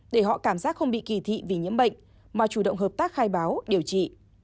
để họ cảm giác không bị kỳ thị vì nhiễm bệnh mà chủ động hợp tác khai báo điều trị